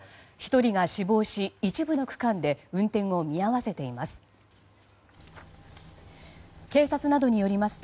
１人が死亡し、一部の区間で運転を見合わせています。